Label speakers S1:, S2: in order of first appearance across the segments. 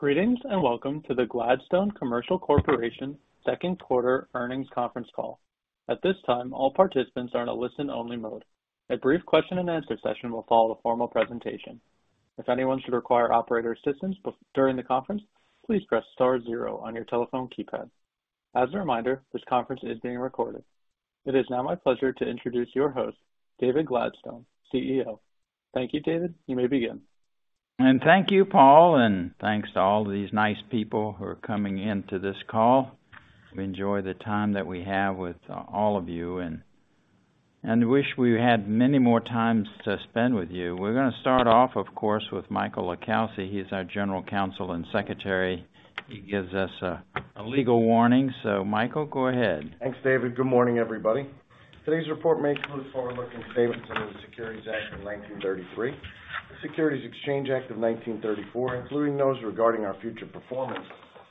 S1: Greetings, and welcome to the Gladstone Commercial Corporation second quarter earnings conference call. At this time, all participants are in a listen-only mode. A brief question and answer session will follow the formal presentation. If anyone should require operator assistance during the conference, please press star zero on your telephone keypad. As a reminder, this conference is being recorded. It is now my pleasure to introduce your host, David Gladstone, CEO. Thank you, David. You may begin.
S2: Thank you, Paul. Thanks to all these nice people who are coming into this call. We enjoy the time that we have with all of you and wish we had many more times to spend with you. We're gonna start off, of course, with Michael LiCalsi. He is our General Counsel and Secretary. He gives us a legal warning. Michael, go ahead.
S3: Thanks, David. Good morning, everybody. Today's report may include forward-looking statements under the Securities Act of 1933, the Securities Exchange Act of 1934, including those regarding our future performance.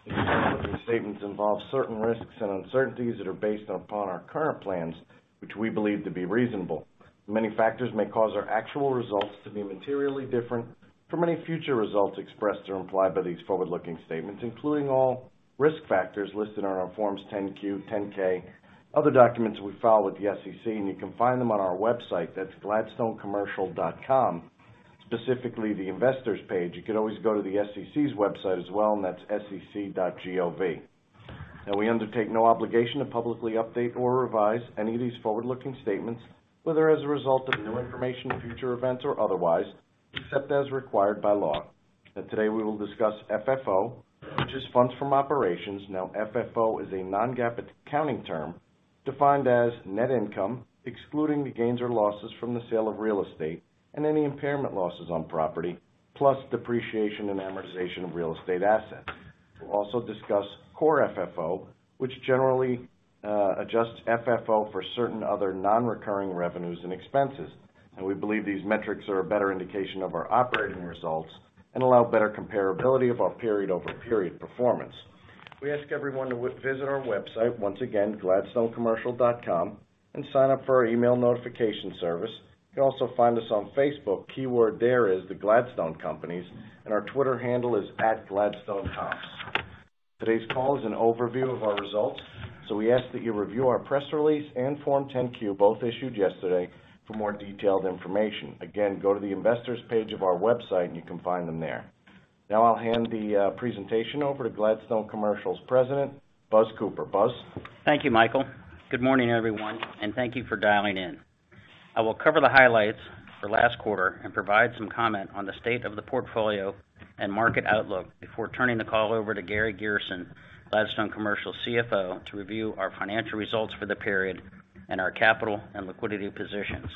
S3: These types of statements involve certain risks and uncertainties that are based upon our current plans, which we believe to be reasonable. Many factors may cause our actual results to be materially different from any future results expressed or implied by these forward-looking statements, including all risk factors listed on our Forms 10-Q, 10-K, other documents we file with the SEC. You can find them on our website, that's gladstonecommercial.com, specifically the investors page. You could always go to the SEC's website as well, and that's sec.gov. Now we undertake no obligation to publicly update or revise any of these forward-looking statements, whether as a result of new information, future events or otherwise, except as required by law. Today, we will discuss FFO, which is funds from operations. Now FFO is a non-GAAP accounting term defined as net income, excluding the gains or losses from the sale of real estate and any impairment losses on property, plus depreciation and amortization of real estate assets. We'll also discuss Core FFO, which generally adjusts FFO for certain other non-recurring revenues and expenses. We believe these metrics are a better indication of our operating results and allow better comparability of our period-over-period performance. We ask everyone to visit our website once again, gladstonecommercial.com, and sign up for our email notification service. You can also find us on Facebook. Keyword there is The Gladstone Companies, and our Twitter handle is @GladstoneComps. Today's call is an overview of our results, so we ask that you review our press release and Form 10-Q, both issued yesterday, for more detailed information. Again, go to the investors page of our website and you can find them there. Now I'll hand the presentation over to Gladstone Commercial's President, Buzz Cooper. Buzz.
S4: Thank you, Michael. Good morning, everyone, and thank you for dialing in. I will cover the highlights for last quarter and provide some comment on the state of the portfolio and market outlook before turning the call over to Gary Gerson, Gladstone Commercial CFO, to review our financial results for the period and our capital and liquidity positions.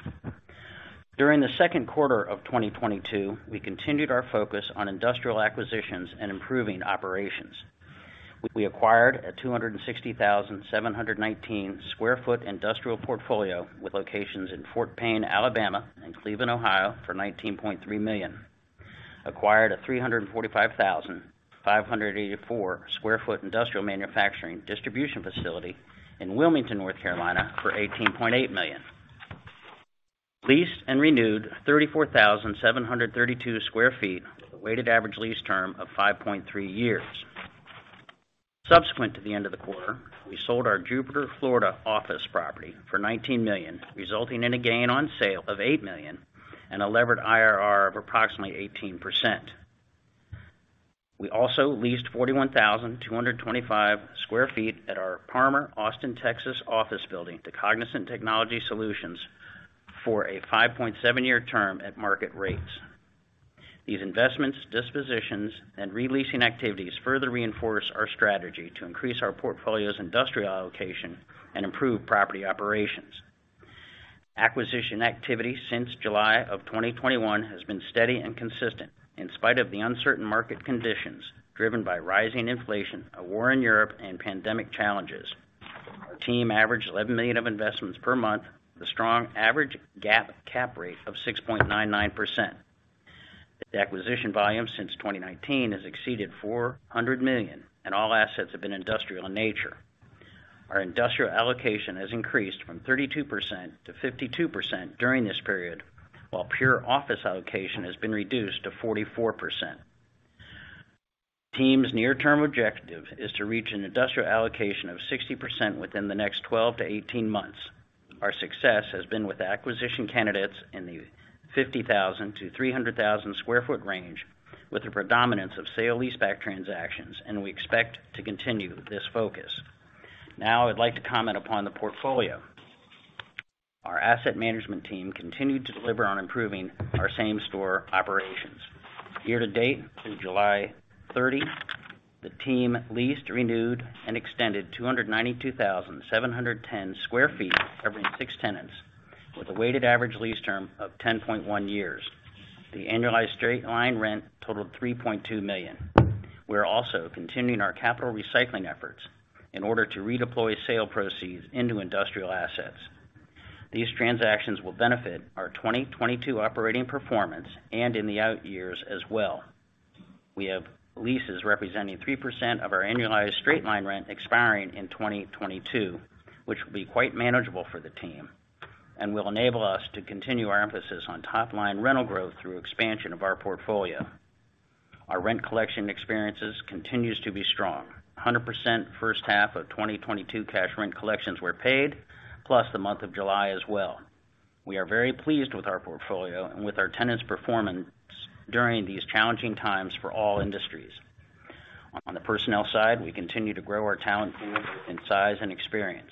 S4: During the second quarter of 2022, we continued our focus on industrial acquisitions and improving operations. We acquired a 260,719 sq ft industrial portfolio with locations in Fort Payne, Alabama and Cleveland, Ohio for $19.3 million. Acquired a 345,584 sq ft industrial manufacturing distribution facility in Wilmington, North Carolina for $18.8 million. Leased and renewed 34,732 sq ft with a weighted average lease term of 5.3 years. Subsequent to the end of the quarter, we sold our Jupiter, Florida office property for $19 million, resulting in a gain on sale of $8 million and a levered IRR of approximately 18%. We also leased 41,225 sq ft at our Parmer Austin, Texas office building to Cognizant Technology Solutions for a 5.7-year term at market rates. These investments, dispositions, and re-leasing activities further reinforce our strategy to increase our portfolio's industrial allocation and improve property operations. Acquisition activity since July 2021 has been steady and consistent in spite of the uncertain market conditions driven by rising inflation, a war in Europe and pandemic challenges. Our team averaged $11 million of investments per month with a strong average GAAP cap rate of 6.99%. The acquisition volume since 2019 has exceeded $400 million, and all assets have been industrial in nature. Our industrial allocation has increased from 32% to 52% during this period, while pure office allocation has been reduced to 44%. Team's near-term objective is to reach an industrial allocation of 60% within the next 12-18 months. Our success has been with acquisition candidates in the 50,000-300,000 sq ft range with a predominance of sale leaseback transactions, and we expect to continue this focus. Now I'd like to comment upon the portfolio. Our asset management team continued to deliver on improving our same-store operations. Year to date through July 30, the team leased, renewed, and extended 292,700 sq ft covering 6 tenants with a weighted average lease term of 10.1 years. The annualized straight-line rent totaled $3.2 million. We're also continuing our capital recycling efforts in order to redeploy sale proceeds into industrial assets. These transactions will benefit our 2022 operating performance and in the outyears as well. We have leases representing 3% of our annualized straight-line rent expiring in 2022, which will be quite manageable for the team. Will enable us to continue our emphasis on top-line rental growth through expansion of our portfolio. Our rent collection experience continues to be strong. 100% first half of 2022 cash rent collections were paid, plus the month of July as well. We are very pleased with our portfolio and with our tenants' performance during these challenging times for all industries. On the personnel side, we continue to grow our talent pool in size and experience.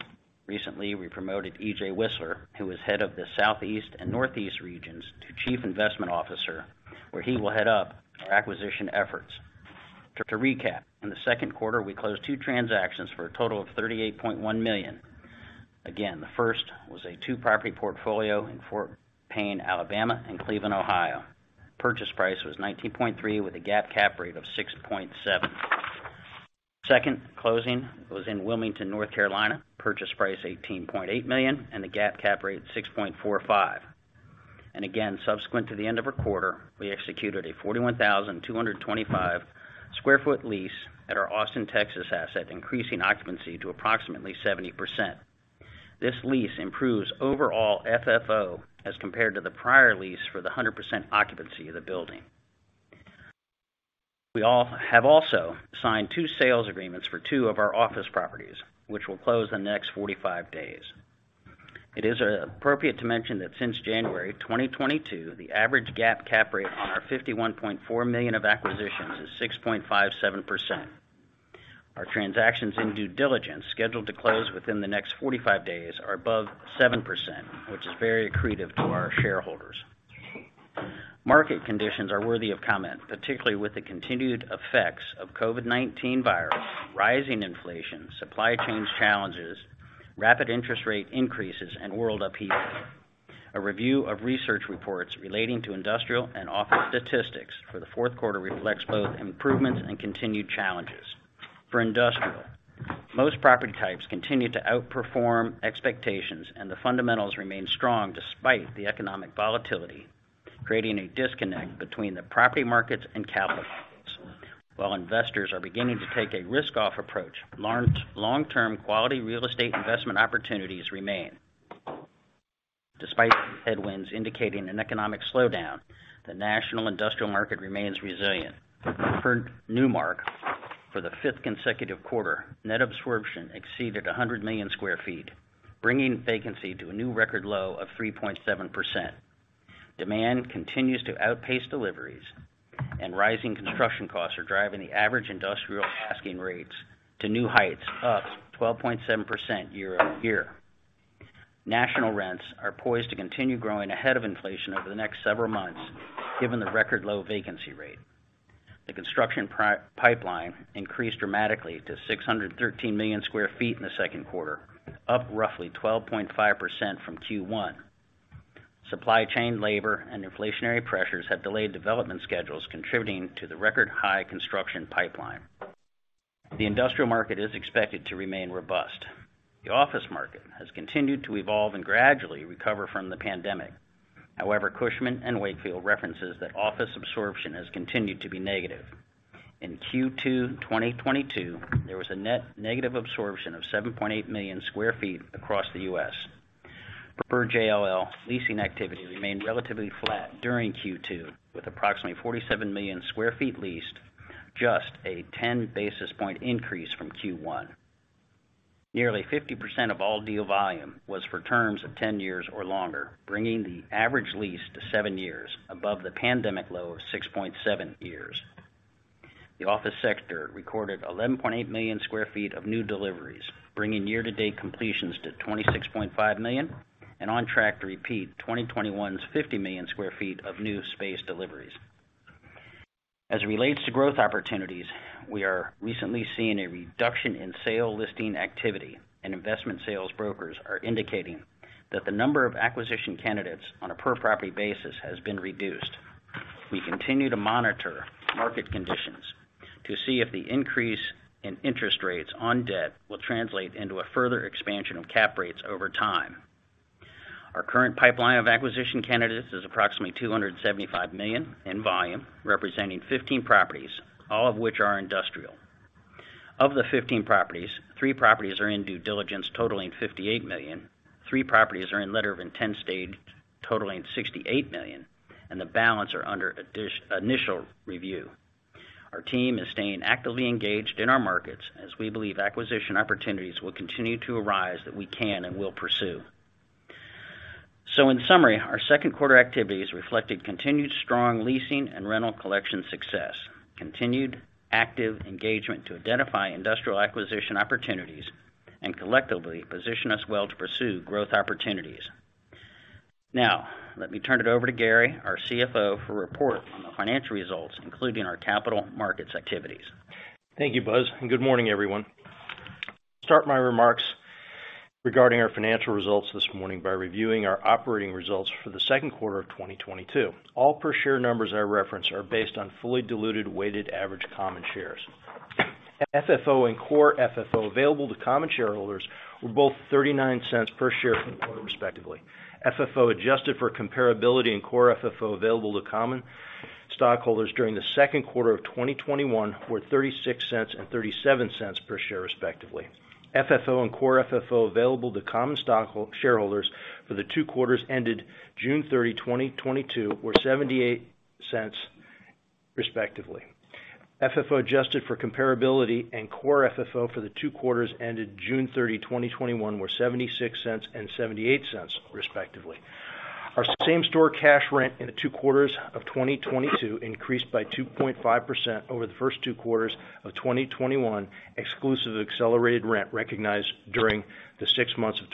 S4: Recently, we promoted EJ Wislar, who is head of the Southeast and Northeast regions, to Chief Investment Officer, where he will head up our acquisition efforts. To recap, in the second quarter, we closed two transactions for a total of $38.1 million. Again, the first was a two-property portfolio in Fort Payne, Alabama and Cleveland, Ohio. Purchase price was $19.3 million with a GAAP cap rate of 6.7%. Second closing was in Wilmington, North Carolina. Purchase price, $18.8 million, and the GAAP cap rate, 6.45%. Again, subsequent to the end of our quarter, we executed a 41,225 sq ft lease at our Austin, Texas asset, increasing occupancy to approximately 70%. This lease improves overall FFO as compared to the prior lease for the 100% occupancy of the building. We have also signed two sales agreements for two of our office properties, which will close in the next 45 days. It is appropriate to mention that since January 2022, the average GAAP cap rate on our $51.4 million of acquisitions is 6.57%. Our transactions in due diligence, scheduled to close within the next 45 days, are above 7%, which is very accretive to our shareholders. Market conditions are worthy of comment, particularly with the continued effects of COVID-19 virus, rising inflation, supply chains challenges, rapid interest rate increases, and world upheaval. A review of research reports relating to industrial and office statistics for the fourth quarter reflects both improvements and continued challenges. For industrial, most property types continue to outperform expectations, and the fundamentals remain strong despite the economic volatility, creating a disconnect between the property markets and capital markets. While investors are beginning to take a risk-off approach, long-term quality real estate investment opportunities remain. Despite headwinds indicating an economic slowdown, the national industrial market remains resilient. For Newmark, for the fifth consecutive quarter, net absorption exceeded 100 million sq ft, bringing vacancy to a new record low of 3.7%. Demand continues to outpace deliveries and rising construction costs are driving the average industrial asking rates to new heights, up 12.7% year-over-year. National rents are poised to continue growing ahead of inflation over the next several months, given the record low vacancy rate. The construction pipeline increased dramatically to 613 million sq ft in the second quarter, up roughly 12.5% from Q1. Supply chain labor and inflationary pressures have delayed development schedules contributing to the record high construction pipeline. The industrial market is expected to remain robust. The office market has continued to evolve and gradually recover from the pandemic. However, Cushman & Wakefield references that office absorption has continued to be negative. In Q2 2022, there was a net negative absorption of 7.8 million sq ft across the U.S. Per JLL, leasing activity remained relatively flat during Q2, with approximately 47 million sq ft leased, just a 10 basis point increase from Q1. Nearly 50% of all deal volume was for terms of 10 years or longer, bringing the average lease to seven years above the pandemic low of 6.7 years. The office sector recorded 11.8 million sq ft of new deliveries, bringing year-to-date completions to 26.5 million, and on track to repeat 2021's 50 million sq ft of new space deliveries. As it relates to growth opportunities, we are recently seeing a reduction in sale listing activity, and investment sales brokers are indicating that the number of acquisition candidates on a per-property basis has been reduced. We continue to monitor market conditions to see if the increase in interest rates on debt will translate into a further expansion of cap rates over time. Our current pipeline of acquisition candidates is approximately $275 million in volume, representing 15 properties, all of which are industrial. Of the 15 properties, three properties are in due diligence, totaling $58 million. Three properties are in letter of intent stage, totaling $68 million, and the balance are under initial review. Our team is staying actively engaged in our markets as we believe acquisition opportunities will continue to arise that we can and will pursue. In summary, our second quarter activities reflected continued strong leasing and rental collection success, continued active engagement to identify industrial acquisition opportunities, and collectively position us well to pursue growth opportunities. Now, let me turn it over to Gary, our CFO, for a report on the financial results, including our capital markets activities.
S5: Thank you, Buzz, and good morning, everyone. Start my remarks regarding our financial results this morning by reviewing our operating results for the second quarter of 2022. All per share numbers I reference are based on fully diluted weighted average common shares. FFO and core FFO available to common shareholders were both $0.39 per share respectively. FFO adjusted for comparability and core FFO available to common stockholders during the second quarter of 2021 were $0.36 and $0.37 per share, respectively. FFO and core FFO available to common shareholders for the two quarters ended June 30, 2022 were $0.78 respectively. FFO adjusted for comparability and core FFO for the two quarters ended June 30, 2021 were $0.76 and $0.78, respectively. Our same-store cash rent in the 2 quarters of 2022 increased by 2.5% over the first 2 quarters of 2021, exclusive of accelerated rent recognized during the first six months of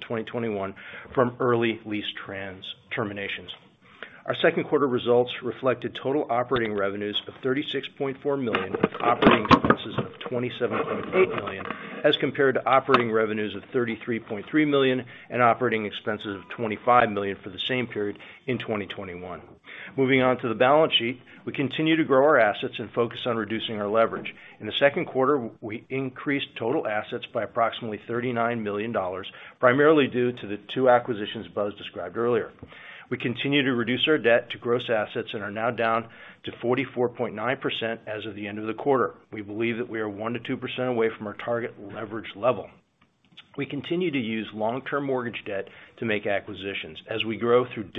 S5: 2021 from early lease terminations. Our second quarter results reflected total operating revenues of $36.4 million, operating expenses of $27.8 million, as compared to operating revenues of $33.3 million and operating expenses of $25 million for the same period in 2021. Moving on to the balance sheet. We continue to grow our assets and focus on reducing our leverage. In the second quarter, we increased total assets by approximately $39 million, primarily due to the two acquisitions Buzz described earlier. We continue to reduce our debt-to-gross assets and are now down to 44.9% as of the end of the quarter. We believe that we are 1%-2% away from our target leverage level. We continue to use long-term mortgage debt to make acquisitions. As we grow through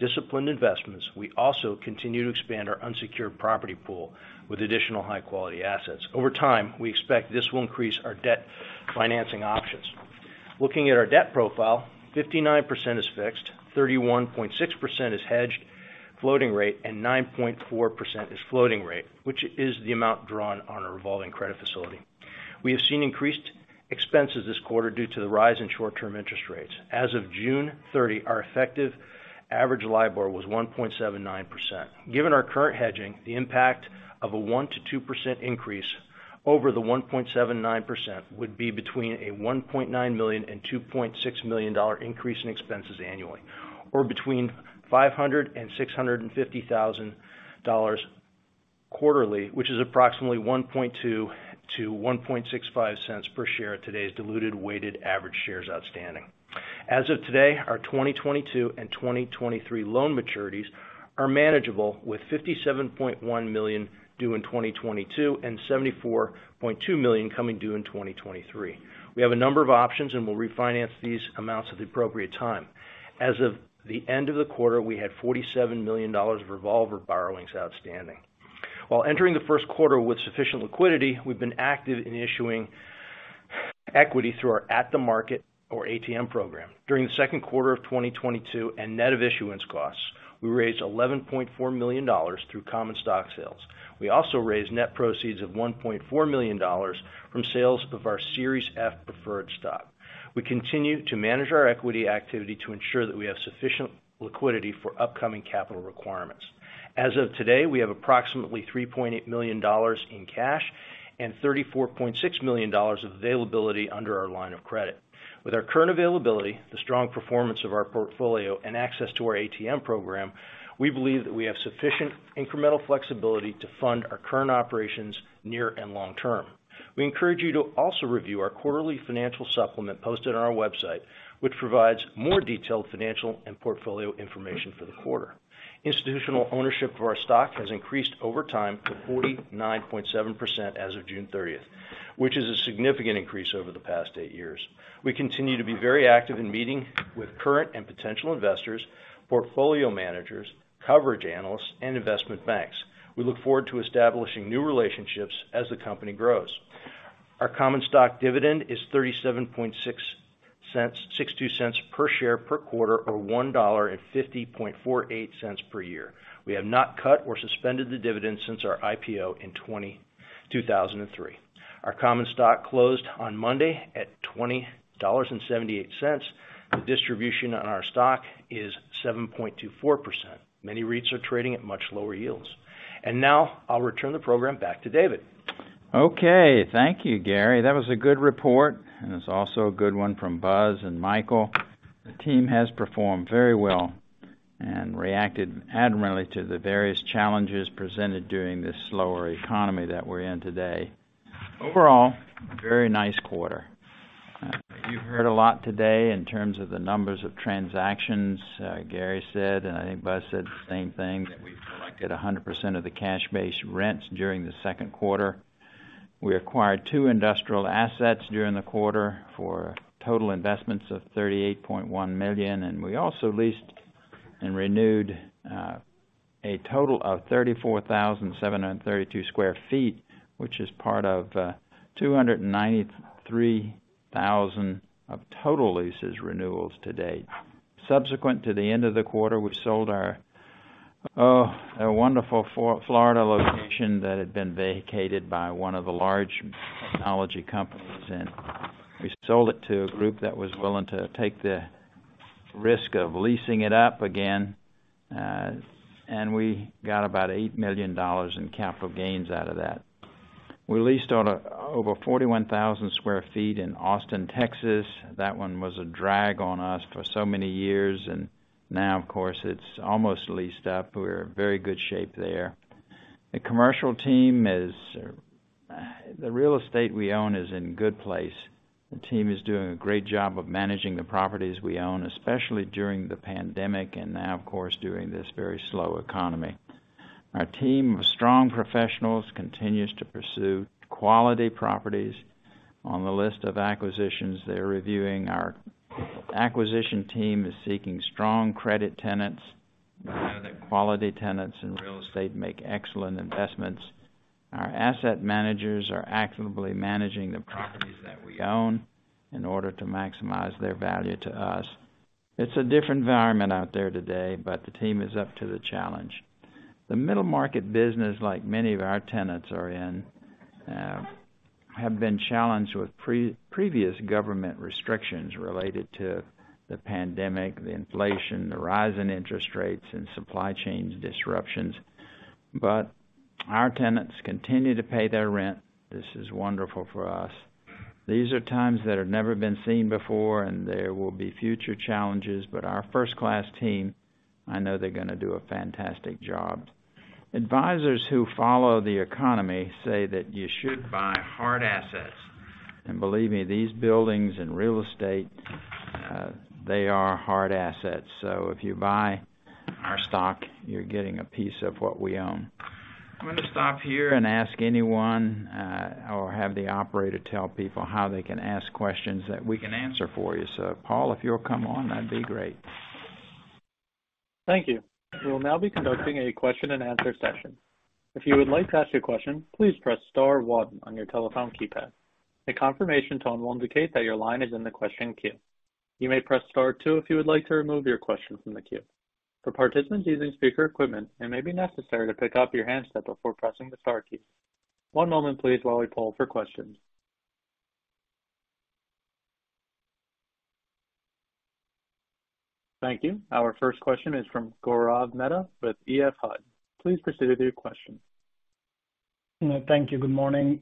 S5: disciplined investments, we also continue to expand our unsecured property pool with additional high-quality assets. Over time, we expect this will increase our debt financing options. Looking at our debt profile, 59% is fixed, 31.6% is hedged floating rate, and 9.4% is floating rate, which is the amount drawn on our revolving credit facility. We have seen increased expenses this quarter due to the rise in short-term interest rates. As of June 30, our effective average LIBOR was 1.79%. Given our current hedging, the impact of a 1%-2% increase over the 1.79% would be between a $1.9 million and $2.6 million increase in expenses annually, or between $500 and $650 thousand quarterly, which is approximately $0.12-$0.165 per share of today's diluted weighted average shares outstanding. As of today, our 2022 and 2023 loan maturities are manageable with $57.1 million due in 2022 and $74.2 million coming due in 2023. We have a number of options, and we'll refinance these amounts at the appropriate time. As of the end of the quarter, we had $47 million of revolver borrowings outstanding. While entering the first quarter with sufficient liquidity, we've been active in issuing equity through our at the market or ATM program. During the second quarter of 2022 and net of issuance costs, we raised $11.4 million through common stock sales. We also raised net proceeds of $1.4 million from sales of our Series F preferred stock. We continue to manage our equity activity to ensure that we have sufficient liquidity for upcoming capital requirements. As of today, we have approximately $3.8 million in cash and $34.6 million of availability under our line of credit. With our current availability, the strong performance of our portfolio, and access to our ATM program, we believe that we have sufficient incremental flexibility to fund our current operations near and long-term. We encourage you to also review our quarterly financial supplement posted on our website, which provides more detailed financial and portfolio information for the quarter. Institutional ownership of our stock has increased over time to 49.7% as of June 30th, which is a significant increase over the past eight years. We continue to be very active in meeting with current and potential investors, portfolio managers, coverage analysts, and investment banks. We look forward to establishing new relationships as the company grows. Our common stock dividend is $0.3762 per share per quarter, or $1.5048 per year. We have not cut or suspended the dividend since our IPO in 2003. Our common stock closed on Monday at $20.78. The distribution on our stock is 7.24%. Many REITs are trading at much lower yields. Now I'll return the program back to David.
S2: Okay. Thank you, Gary. That was a good report, and it's also a good one from Buzz and Michael. The team has performed very well and reacted admirably to the various challenges presented during this slower economy that we're in today. Overall, very nice quarter. You heard a lot today in terms of the numbers of transactions. Gary said, and I think Buzz said the same thing, that we collected 100% of the cash base rents during the second quarter. We acquired two industrial assets during the quarter for total investments of $38.1 million, and we also leased and renewed a total of 34,732 sq ft, which is part of 293,000 of total lease renewals to date. Subsequent to the end of the quarter, we sold our wonderful Florida location that had been vacated by one of the large technology companies, and we sold it to a group that was willing to take the risk of leasing it up again. We got about $8 million in capital gains out of that. We leased out over 41,000 sq ft in Austin, Texas. That one was a drag on us for so many years, and now, of course, it's almost leased up. We're in very good shape there. The real estate we own is in good place. The team is doing a great job of managing the properties we own, especially during the pandemic, and now of course, during this very slow economy. Our team of strong professionals continues to pursue quality properties on the list of acquisitions they're reviewing. Our acquisition team is seeking strong credit tenants. We know that quality tenants in real estate make excellent investments. Our asset managers are actively managing the properties that we own in order to maximize their value to us. It's a different environment out there today, but the team is up to the challenge. The middle market business, like many of our tenants are in, have been challenged with previous government restrictions related to the pandemic, the inflation, the rise in interest rates, and supply chain disruptions. Our tenants continue to pay their rent. This is wonderful for us. These are times that have never been seen before, and there will be future challenges. Our first-class team, I know they're gonna do a fantastic job. Advisors who follow the economy say that you should buy hard assets. Believe me, these buildings and real estate, they are hard assets. If you buy our stock, you're getting a piece of what we own. I'm gonna stop here and ask anyone, or have the operator tell people how they can ask questions that we can answer for you. Paul, if you'll come on, that'd be great.
S1: Thank you. We will now be conducting a question-and-answer session. If you would like to ask a question, please press star one on your telephone keypad. A confirmation tone will indicate that your line is in the question queue. You may press star two if you would like to remove your question from the queue. For participants using speaker equipment, it may be necessary to pick up your handset before pressing the star key. One moment please while we poll for questions. Thank you. Our first question is from Gaurav Mehta with EF Hutton. Please proceed with your question.
S6: Thank you. Good morning.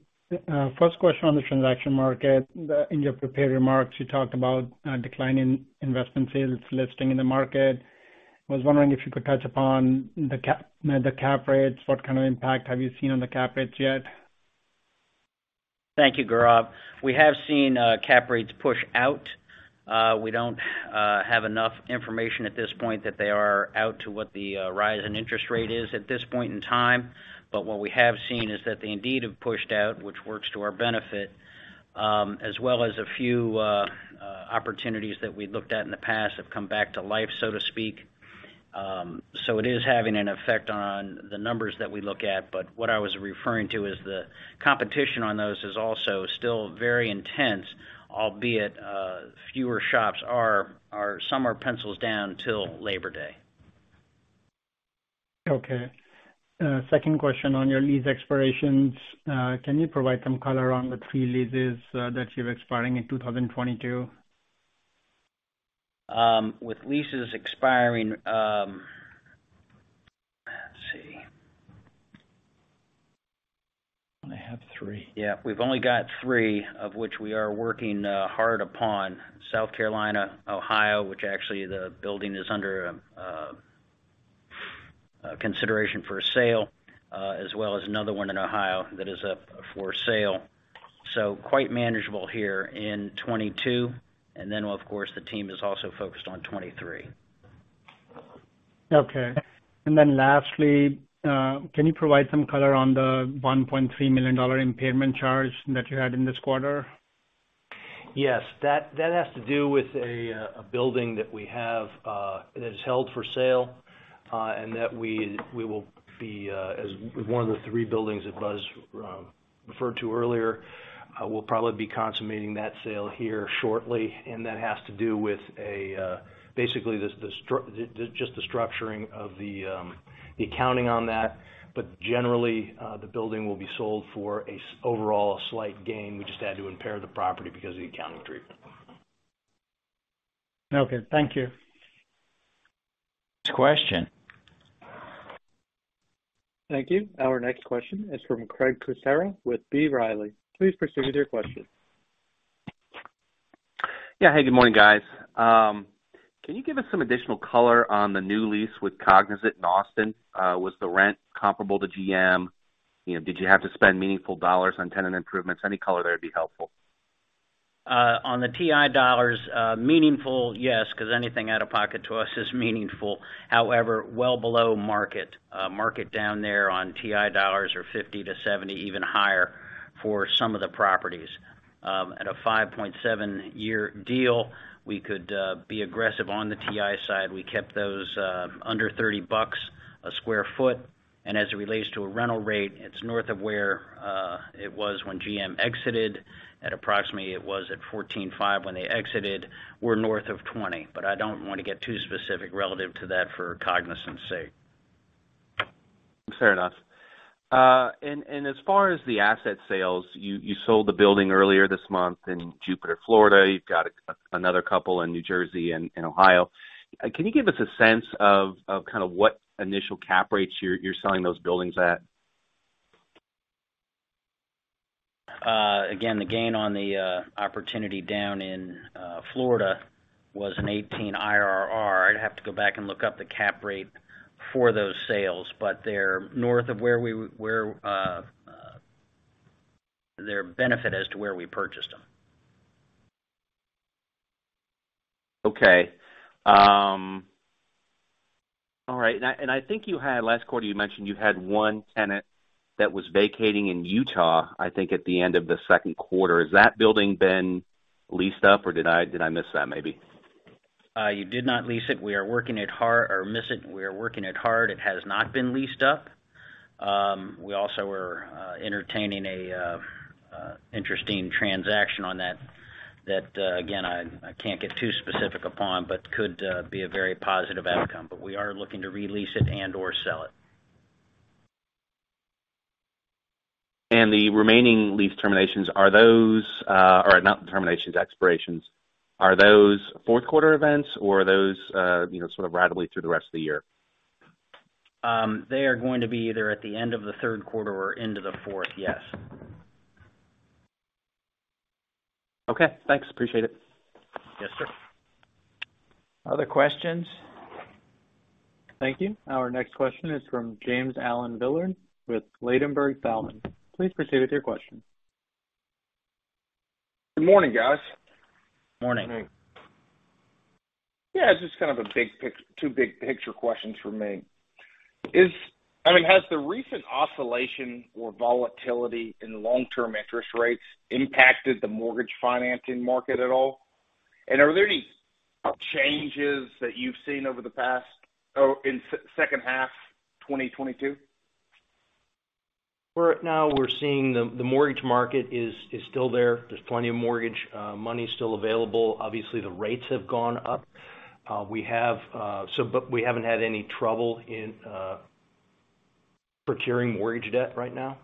S6: First question on the transaction market. In your prepared remarks, you talked about a decline in investment sales listings in the market. I was wondering if you could touch upon the cap rates. What kind of impact have you seen on the cap rates yet?
S2: Thank you, Gaurav. We have seen cap rates push out. We don't have enough information at this point that they are out to what the rise in interest rate is at this point in time. What we have seen is that they indeed have pushed out, which works to our benefit, as well as a few opportunities that we looked at in the past have come back to life, so to speak. It is having an effect on the numbers that we look at, but what I was referring to is the competition on those is also still very intense, albeit fewer shops are, some are pencils down till Labor Day.
S6: Okay. Second question on your lease expirations. Can you provide some color on the three leases that you're expiring in 2022?
S2: With leases expiring, let's see.
S5: Only have three.
S2: Yeah. We've only got three, of which we are working hard upon. South Carolina, Ohio, which actually the building is under consideration for a sale, as well as another one in Ohio that is up for sale. Quite manageable here in 2022. Of course, the team is also focused on 2023.
S6: Okay. Lastly, can you provide some color on the $1.3 million impairment charge that you had in this quarter?
S5: Yes. That has to do with a building that we have that is held for sale, and that we will be as one of the three buildings that Buzz referred to earlier. We'll probably be consummating that sale here shortly. That has to do with basically the just the structuring of the accounting on that. Generally, the building will be sold for overall a slight gain. We just had to impair the property because of the accounting treatment.
S6: Okay. Thank you.
S2: Next question.
S1: Thank you. Our next question is from Craig Kucera with B. Riley. Please proceed with your question.
S7: Yeah. Hey, good morning, guys. Can you give us some additional color on the new lease with Cognizant in Austin? Was the rent comparable to GM? You know, did you have to spend meaningful dollars on tenant improvements? Any color there would be helpful.
S2: On the TI dollars, meaningful, yes, 'cause anything out-of-pocket to us is meaningful. However, well below market. Market down there on TI dollars of $50-$70, even higher for some of the properties. At a 5.7-year deal, we could be aggressive on the TI side. We kept those under $30 a sq ft. As it relates to a rental rate, it's north of where it was when GM exited. At approximately it was at $14.50 when they exited. We're north of $20, but I don't wanna get too specific relative to that for Cognizant's sake.
S7: Fair enough. As far as the asset sales, you sold the building earlier this month in Jupiter, Florida. You've got another couple in New Jersey and in Ohio. Can you give us a sense of kind of what initial cap rates you're selling those buildings at?
S4: Again, the gain on the opportunity down in Florida was an 18 IRR. I'd have to go back and look up the cap rate for those sales, but they're north of where we were, the benefit as to where we purchased them.
S7: All right. I think last quarter you mentioned you had one tenant that was vacating in Utah, I think, at the end of the second quarter. Has that building been leased up, or did I miss that, maybe?
S4: You did not lease it. We are working it hard. It has not been leased up. We also were entertaining an interesting transaction on that again I can't get too specific upon, but could be a very positive outcome. We are looking to re-lease it and/or sell it.
S7: The remaining lease expirations. Are those fourth quarter events or are those, you know, sort of ratably through the rest of the year?
S4: They are going to be either at the end of the third quarter or into the fourth. Yes.
S7: Okay. Thanks. Appreciate it.
S4: Yes, sir.
S1: Other questions? Thank you. Our next question is from James Allen Villard with Ladenburg Thalmann. Please proceed with your question.
S8: Good morning, guys.
S4: Morning.
S5: Morning.
S8: Yeah, just kind of two big picture questions from me. I mean, has the recent oscillation or volatility in long-term interest rates impacted the mortgage financing market at all? And are there any changes that you've seen over the past, or in second half of 2022?
S5: Now we're seeing the mortgage market is still there. There's plenty of mortgage money still available. Obviously, the rates have gone up. We haven't had any trouble in procuring mortgage debt right now.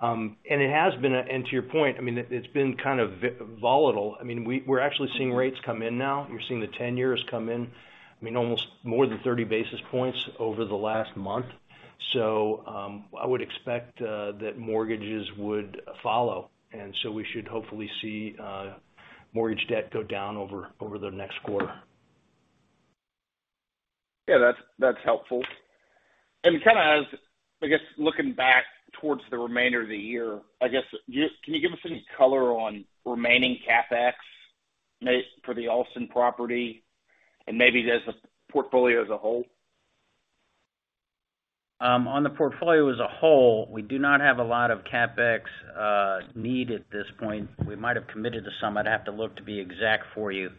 S5: To your point, I mean, it's been kind of volatile. I mean, we're actually seeing rates come in now. We're seeing the 10-year come in, I mean, almost more than 30 basis points over the last month. I would expect that mortgages would follow, and we should hopefully see mortgage debt go down over the next quarter.
S8: Yeah, that's helpful. Kinda as, I guess, looking back towards the remainder of the year, I guess, can you give us any color on remaining CapEx for the Austin property and maybe just the portfolio as a whole?
S4: On the portfolio as a whole, we do not have a lot of CapEx need at this point. We might have committed to some. I'd have to look to be exact for you.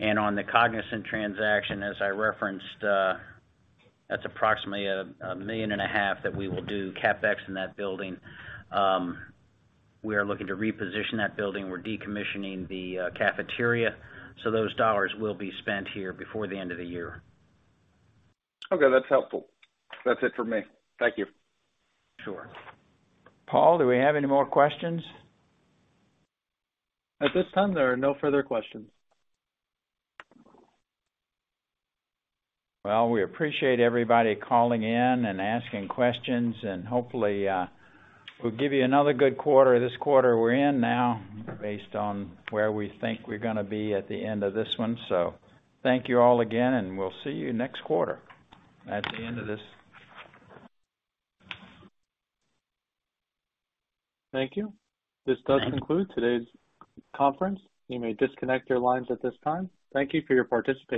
S4: On the Cognizant transaction, as I referenced, that's approximately $1.5 million that we will do CapEx in that building. We are looking to reposition that building. We're decommissioning the cafeteria. Those dollars will be spent here before the end of the year.
S8: Okay, that's helpful. That's it for me. Thank you.
S4: Sure.
S5: Paul, do we have any more questions?
S1: At this time, there are no further questions.
S5: Well, we appreciate everybody calling in and asking questions. Hopefully, we'll give you another good quarter this quarter we're in now based on where we think we're gonna be at the end of this one. Thank you all again, and we'll see you next quarter. That's the end of this.
S1: Thank you. This does conclude today's conference. You may disconnect your lines at this time. Thank you for your participation.